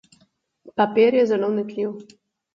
Papir je zelo vnetljiv.